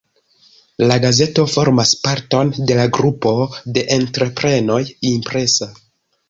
La gazeto formas parton de la grupo de entreprenoj "Impresa".